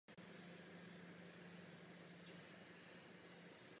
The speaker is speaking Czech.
Celá akce však selhala.